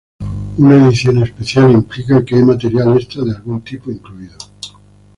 Una edición especial implica que hay material extra de algún tipo incluido.